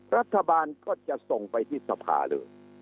รัฐบาลก็จะส่งไปที่สภาเลย